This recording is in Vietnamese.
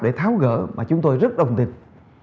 để tháo gỡ mà chúng tôi rất đồng tình